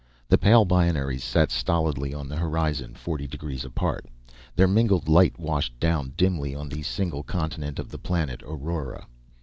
The pale binaries sat stolidly on the horizon, forty degrees apart. Their mingled light washed down dimly on the single continent of the planet, Aurora.